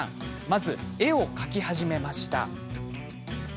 まず、絵を描き始めました。